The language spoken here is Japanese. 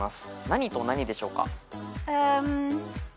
何と何でしょうか？